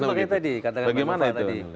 itu makanya tadi katakan pak bapak tadi